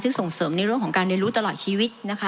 ซึ่งส่งเสริมในเรื่องของการเรียนรู้ตลอดชีวิตนะคะ